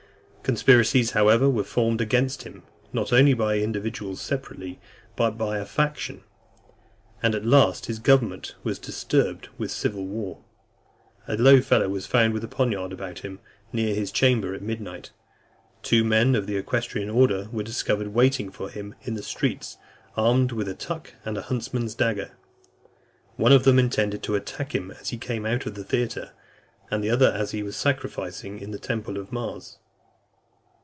XIII. Conspiracies, however, were formed against him, not only by individuals separately, but by a faction; and at last his government was disturbed with a civil war. A low fellow was found with a poniard about him, near his chamber, at midnight. Two men of the equestrian order were discovered waiting for him in the streets, armed with a tuck and a huntsman's dagger; one of them intending to attack him as he came out of the theatre, and the other as he was sacrificing in the temple of Mars.